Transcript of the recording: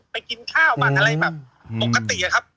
ไปกินข้าวบางอะไรปกติ๕๔๒๒